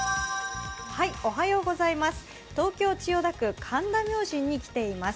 東京・千代田区神田明神に来ています。